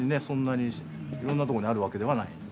そんなにいろんなとこにあるわけではない。